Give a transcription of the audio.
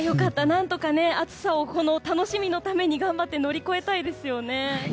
なんとか暑さをこの楽しみのために頑張って乗り越えたいですよね。